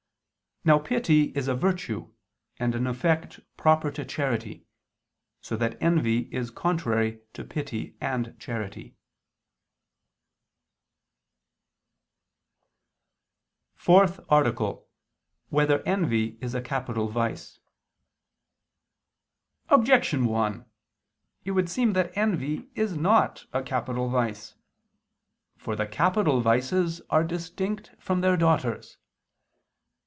Now pity is a virtue, and an effect proper to charity: so that envy is contrary to pity and charity. _______________________ FOURTH ARTICLE [II II, Q. 36, Art. 4] Whether Envy Is a Capital Vice? Objection 1: It would seem that envy is not a capital vice. For the capital vices are distinct from their daughters.